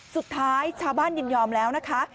สุดท้ายชาวบ้านยินยอมแล้วนะคะ